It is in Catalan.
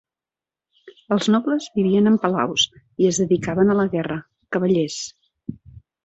Els nobles vivien en palaus i es dedicaven a la guerra, cavallers.